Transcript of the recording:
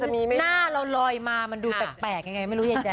นั่นเราลอยมามันดูแปลกไม่รู้ไยแจ๊ะ